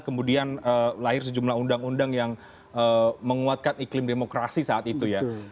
kemudian lahir sejumlah undang undang yang menguatkan iklim demokrasi saat itu ya